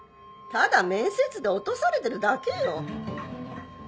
ただ面接で落とされてるだけよ